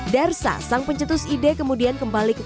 darsa sang pencetus ide kemudian kembali ke